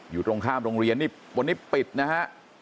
อยู่ตรงข้ามโรงเรียนนี่วันนี้ปิดนะฮะ